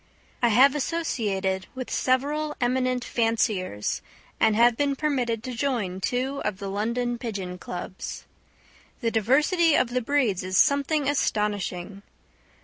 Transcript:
I have associated with several eminent fanciers, and have been permitted to join two of the London Pigeon Clubs. The diversity of the breeds is something astonishing.